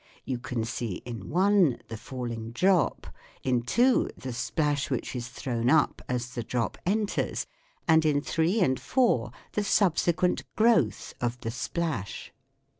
You can see in (i) the falling drop, in (2) the splash which is thrown up as the drop enters, and in (3) and (4) the subsequent growth of the splash.